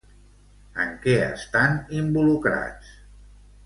En què estan involucrats?